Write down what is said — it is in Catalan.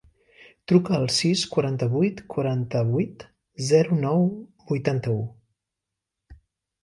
Truca al sis, quaranta-vuit, quaranta-vuit, zero, nou, vuitanta-u.